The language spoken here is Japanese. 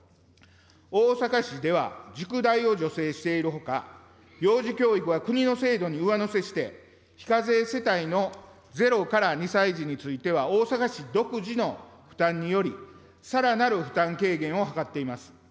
大阪市では、塾代を助成しているほか、幼児教育は国の制度に上乗せして非課税世帯の０から２歳児については大阪市独自の負担により、さらなる負担軽減を図っています。